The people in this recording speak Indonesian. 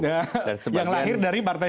yang lahir dari partai